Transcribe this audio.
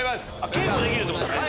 稽古できるってことね。